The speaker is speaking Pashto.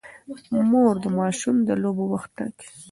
مور د ماشوم د لوبو وخت ټاکي.